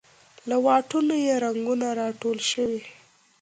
له واټونو یې رنګونه راټول شوې